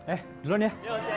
eh duluan ya